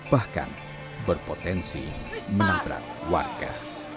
bahkan berpotensi menabrak warga